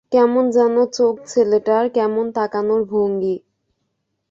কেমন যেন চোখ ছেলেটার, কেমন তাকানোর ভঙ্গি।